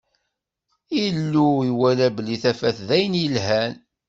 Illu iwala belli tafat d ayen yelhan.